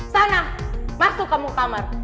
sana masuk kamu ke kamar